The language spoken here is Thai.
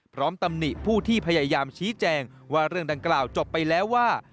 ตำหนิผู้ที่พยายามชี้แจงว่าเรื่องดังกล่าวจบไปแล้วว่า